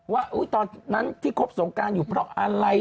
ว่าตอนนั้นที่ครบสงการอยู่เพราะอะไร